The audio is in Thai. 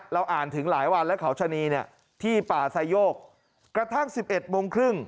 อ่านถึงหลายวันแล้วเขาชะนีเนี่ยที่ป่าไซโยกกระทั่ง๑๑โมงครึ่ง